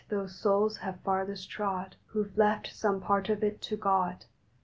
those Souls have farthest trod Who ve left SOME part of it to God.